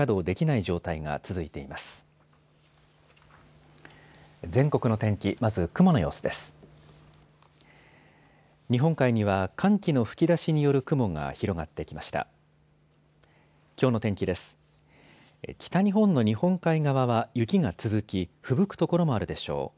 北日本の日本海側は雪が続き、ふぶく所もあるでしょう。